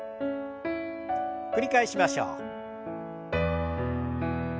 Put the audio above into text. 繰り返しましょう。